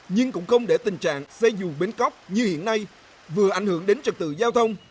nhưng cũng không để tình trạng xe dù bến cóc như hiện nay vừa ảnh hưởng đến trật tự giao thông